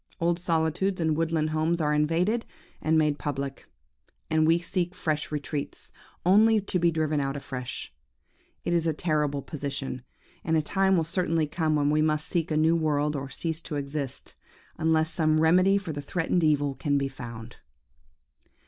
Old solitudes and woodland homes are invaded, and made public; and we seek fresh retreats, only to be driven out afresh. It is a terrible position, and a time will certainly come when we must seek a new world, or cease to exist, unless some remedy for the threatened evil can be found.